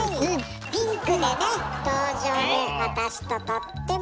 ピンクでね登場で私ととっても似合いますね。